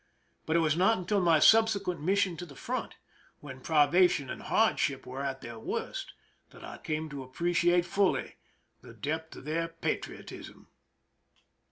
But it was not until my subsequent mission to the front, when privation and hardship were at their worst, that I came to appreciate fully the depth of their patriotism.